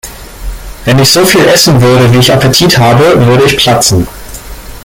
Wenn ich so viel essen würde, wie ich Appetit habe, würde ich platzen.